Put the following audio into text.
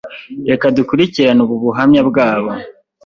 Reka dukurikirane ubu buhamya bwabo :